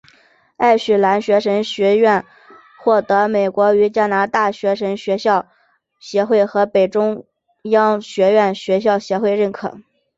爱许兰神学院或得美国与加拿大神学学校协会和北中央学院学校协会认可。